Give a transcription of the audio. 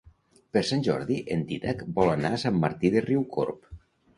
Per Sant Jordi en Dídac vol anar a Sant Martí de Riucorb.